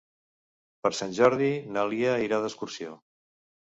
Per Sant Jordi na Lia irà d'excursió.